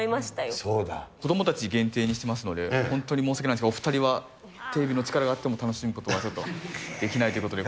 子どもたち限定にしてますので、本当に申し訳ないんですが、お２人はテレビの力があっても、楽しむことはちょっとできないということで。